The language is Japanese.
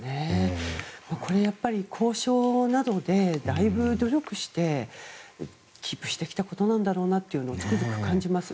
これは交渉などで、だいぶ努力してキープしてきたことなんだろうなとつくづく感じます。